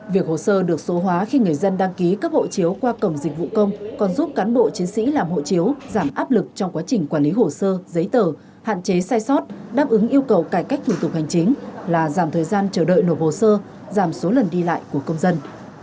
việc hồ sơ được số hóa khi người dân đăng ký cấp hộ chiếu qua cổng dịch vụ công còn giúp cán bộ chiến sĩ làm hộ chiếu giảm áp lực trong quá trình quản lý hồ sơ giấy tờ hạn chế sai sót đáp ứng yêu cầu cải cách thủ tục hành chính là giảm thời gian chờ đợi nộp hồ sơ giảm số lần đi lại của công dân